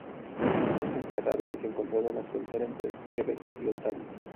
Un cadáver es encontrado en la frontera entre Quebec y Ontario.